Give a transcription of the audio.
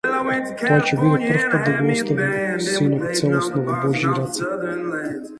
Тоа ќе биде првпат да го остави синот целосно во божји раце.